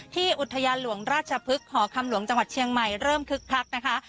อุทยานหลวงราชพฤกษหอคำหลวงจังหวัดเชียงใหม่เริ่มคึกคักนะคะ